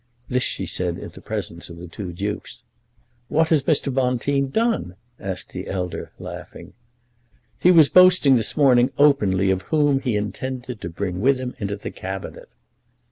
This she said in the presence of the two dukes. "What has Mr. Bonteen done?" asked the elder, laughing. "He was boasting this morning openly of whom he intended to bring with him into the Cabinet."